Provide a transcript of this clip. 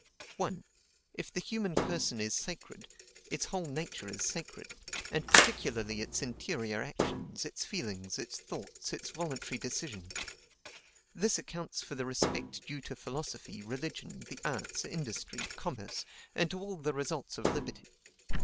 "1. If the human person is sacred, its whole nature is sacred; and particularly its interior actions, its feelings, its thoughts, its voluntary decisions. This accounts for the respect due to philosophy, religion, the arts industry, commerce, and to all the results of liberty.